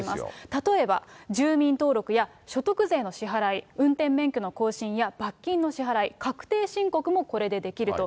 例えば住民登録や所得税の支払い、運転免許の更新や罰金の支払い、確定申告も、これでできると。